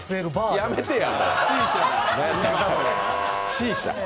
やめてや。